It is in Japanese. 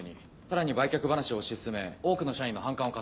さらに売却話を推し進め多くの社員の反感を買っています。